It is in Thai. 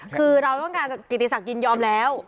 คือเราต้องการกิติศักดิ์ยินยอมแล้ว